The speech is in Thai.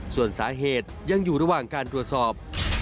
ส่วนสาเหตุยังอยู่ระหว่างการตรวจสอบ